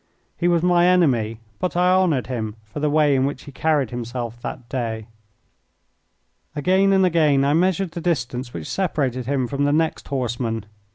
He was my enemy, but I honoured him for the way in which he carried himself that day. Again and again I measured the distance which separated him from the next horseman.